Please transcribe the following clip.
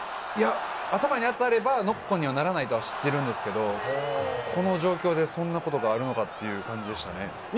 頭に当たればノックオンにならないというのは知ってるんですけれど、この状況でそんなことがあるのかっていう感じでしたね。